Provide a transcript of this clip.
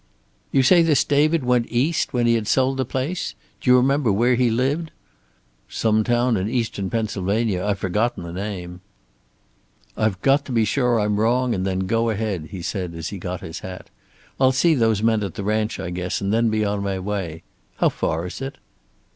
"You say this David went East, when he had sold out the place. Do you remember where he lived?" "Some town in eastern Pennsylvania. I've forgotten the name." "I've got to be sure I'm wrong, and then go ahead," he said, as he got his hat. "I'll see those men at the ranch, I guess, and then be on my way. How far is it?"